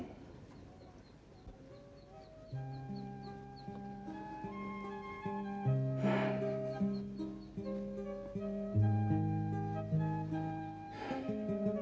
yang saya tahu